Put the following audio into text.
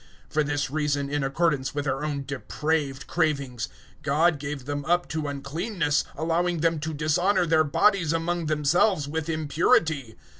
001:024 For this reason, in accordance with their own depraved cravings, God gave them up to uncleanness, allowing them to dishonour their bodies among themselves with impurity.